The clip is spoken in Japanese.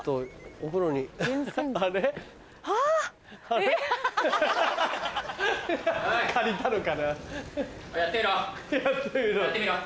おいやってみろ。